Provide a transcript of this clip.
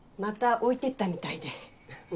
置いてったみたいで。